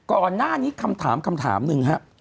ก่อนหน้านี้คำถามนึงฮะ